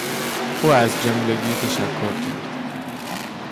او از جملگی تشکر کرد.